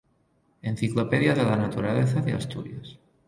Enciclopedia de la Naturaleza de Asturias.